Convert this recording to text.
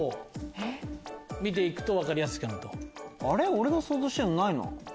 俺の想像してるのない。